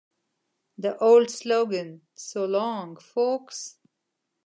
The old slogan So Long, Folks!